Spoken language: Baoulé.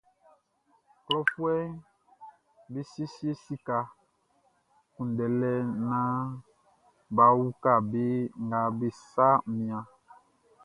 Klɔfuɛʼm be siesie sika kunndɛlɛ naan bʼa uka be nga be sa mianʼn.